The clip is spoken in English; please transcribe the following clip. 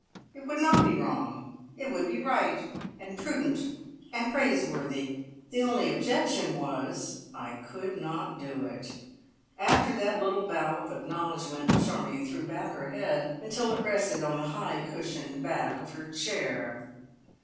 It would not be wrong; it would be right, and prudent, and praiseworthy. The only objection was, I could not do it. After that little bow of acknowledgment, Charmion threw back her head until it rested on the high cushioned back of her chair.